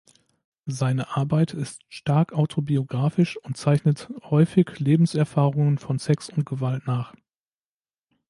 Seine Arbeit ist stark autobiografisch und zeichnet häufig Lebenserfahrungen von Sex und Gewalt nach.